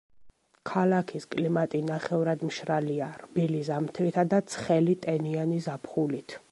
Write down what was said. ქალაქის კლიმატი ნახევრადმშრალია, რბილი ზამთრითა და ცხელი, ტენიანი ზაფხულით.